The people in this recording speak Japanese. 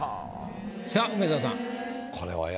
さあ梅沢さん。